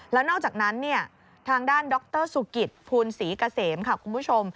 แล้วนอกจากนั้นทางด้านดรสุกิตภูลศรีเกษมค่ะคุณผู้ชม